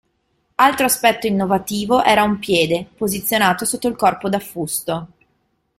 Altro aspetto innovativo era un piede, posizionato sotto il corpo d'affusto.